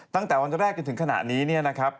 ตั้งแต่วันแรกจนถึงขณะนี้เนี่ยนะครับ